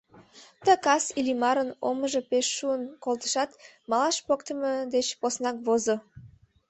Ты кас Иллимарын омыжо пеш шуын колтышат, малаш поктымо деч поснак возо.